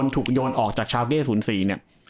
ถูกโยนออกจากชาวเก้๐๔เนี่ย